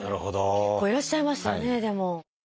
結構いらっしゃいますよねでも。